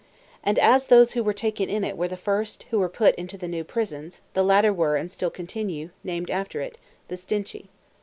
And as those who were taken in it were the first who were put into the new prisons, the latter were, and still continue, named after it, the Stinche.